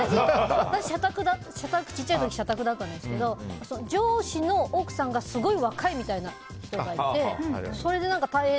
私、ちっちゃい時社宅だったんですけど上司の奥さんがすごい若いみたいな人がいて。